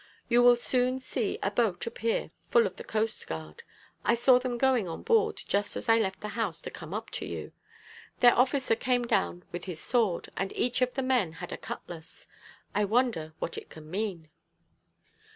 You will soon see a boat appear full of the coast guard. I saw them going on board just as I left the house to come up to you. Their officer came down with his sword, and each of the men had a cutlass. I wonder what it can mean."